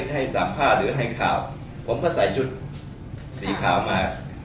ให้สัมภาษณ์หรือให้ข่าวผมก็ใส่ชุดสีขาวมา